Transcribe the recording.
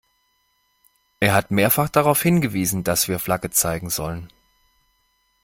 Er hat mehrfach darauf hingewiesen, dass wir Flagge zeigen sollen.